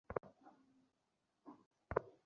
টয়লেটে যেতে চাইলে যান, গা ঝাড়া দিন।